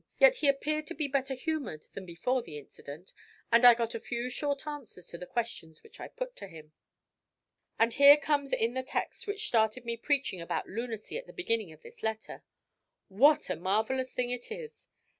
Yet he appeared to be better humoured than before the incident, and I got a few short answers to the questions which I put to him. And here comes in the text which started me preaching about lunacy at the beginning of this letter. WHAT a marvellous thing it is!